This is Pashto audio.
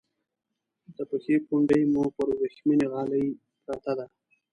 د پښې پونډۍ مو پر ورېښمینې غالی پرته ده.